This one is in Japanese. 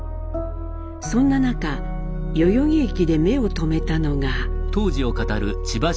そんな中代々木駅で目を留めたのが。